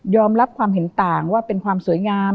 รับความเห็นต่างว่าเป็นความสวยงาม